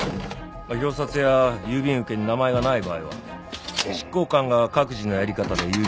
表札や郵便受けに名前がない場合は執行官が各自のやり方で郵便をチェックしたり。